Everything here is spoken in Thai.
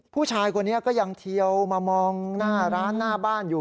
ผู้ชายคนนี้ก็ยังเทียวมามองหน้าร้านหน้าบ้านอยู่